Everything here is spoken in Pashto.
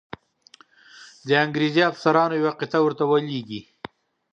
د انګرېزي افسرانو یوه قطعه ورته ولیږي.